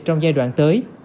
trong giai đoạn tới